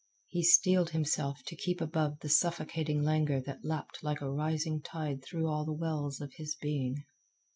He steeled himself to keep above the suffocating languor that lapped like a rising tide through all the wells of his being.